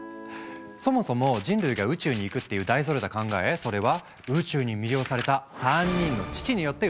そもそも人類が宇宙に行くっていう大それた考えそれは「宇宙に魅了された３人の父」によって生まれたんです。